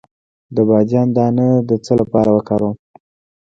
د بادیان دانه د څه لپاره وکاروم؟